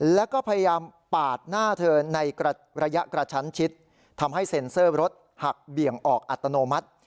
แล้วก็พยายามปาดหน้าเธอในระยะกระชั้นชิดทำให้เซ็นเซอร์รถหักเบี่ยงออกอัตโนมัติ